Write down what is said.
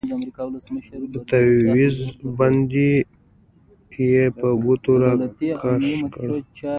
د تاويز بند يې په ګوتو راکښ کړ.